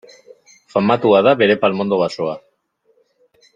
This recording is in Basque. Famatua da bere palmondo basoa.